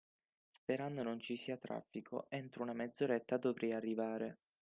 Sperando non ci sia traffico, entro una mezz'oretta dovrei arrivare.